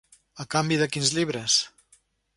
A canvi de quins llibres?